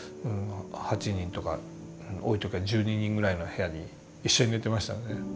８人とか多い時は１２人ぐらいの部屋に一緒に寝てましたので。